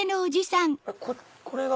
これは？